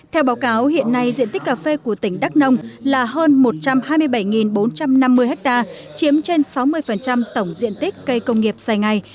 theo báo cáo hiện nay diện tích cà phê của tỉnh đắk nông là hơn một trăm hai mươi bảy bốn trăm năm mươi ha chiếm trên sáu mươi tổng diện tích cây công nghiệp dài ngày